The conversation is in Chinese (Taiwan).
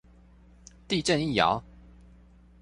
地震一搖